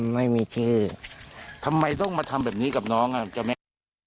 ไม่มีที่ทำไมต้องมาทำแบบนี้กับน้องอ่ะเจ้าแม่